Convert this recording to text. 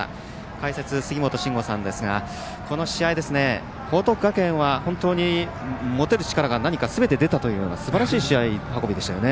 解説、杉本真吾さんですがこの試合、報徳学園は本当に持てる力がすべて出たというすばらしい試合運びでしたね。